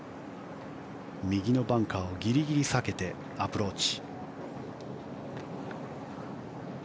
右のバンカーをギリギリ避けてアプローチ。